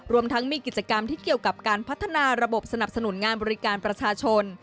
รวมทั้งมีกิจกรรมที่เกี่ยวกับการพัฒนาระบบสนับสนุนงานบริการประชาชน